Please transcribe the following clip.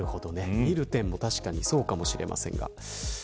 見る点も確かにそうかもしれませんが。